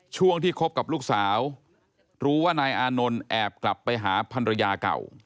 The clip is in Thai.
ช่วงที่คบกับลูกสาวรู้ว่านายอานนท์แอบกลับไปหาพันรยาเก่า